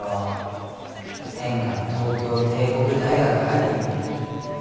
天下の東京帝国大学相手に。